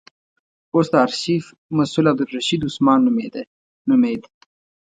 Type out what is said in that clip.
اوس د آرشیف مسئول عبدالرشید عثمان نومېد.